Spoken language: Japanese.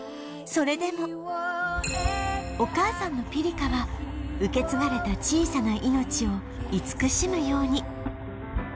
それでもお母さんのピリカは受け継がれた小さな命を慈しむように